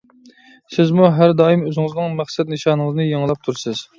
سىزمۇ ھەر دائىم ئۆزىڭىزنىڭ مەقسەت نىشانىڭىزنى يېڭىلاپ تۇرىسىز.